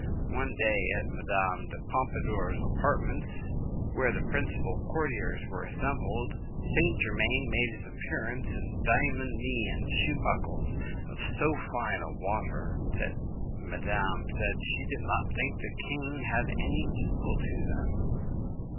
One day, at Madame du Pompadour's apartments, where the principal courtiers were assembled, St. Germain made his appearance in diamond knee and shoe buckles of so fine a water, that madame said she did not think the king had any equal to them.